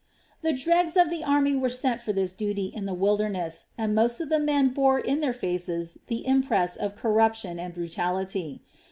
The dregs of the army were sent for this duty in the wilderness and most of the men bore in their faces the impress of corruption and brutality.